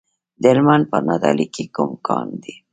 د هلمند په نادعلي کې کوم کان دی؟